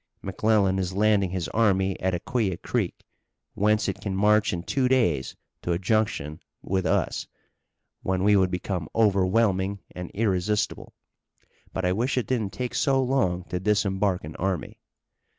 McClellan is landing his army at Aquia Creek, whence it can march in two days to a junction with us, when we would become overwhelming and irresistible. But I wish it didn't take so long to disembark an army!"